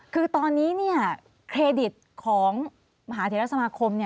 คือตอนนี้เครดิตของมหาเทรสมาคม